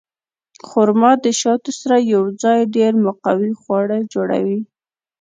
خرما د شاتو سره یوځای ډېر مقوي خواړه جوړوي.